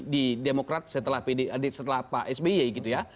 di demokrat setelah pak sby gitu ya